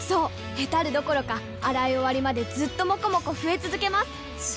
ヘタるどころか洗い終わりまでずっともこもこ増え続けます！